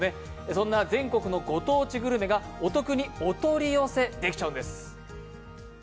そんな全国のご当地グルメがお得にお取り寄せできちゃうんです。